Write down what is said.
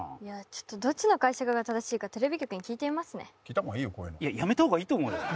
ちょっとどっちの解釈が正しいかテレビ局に聞いてみますね聞いた方がいいよこういうのやめた方がいいと思うよ